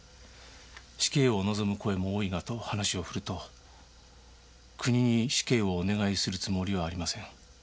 死刑を望む声も多いがと話を振ると「国に死刑をお願いするつもりはありません」